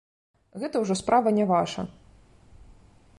Гэта ўжо справа не ваша.